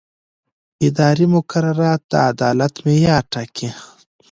اداري مقررات د عدالت معیار ټاکي.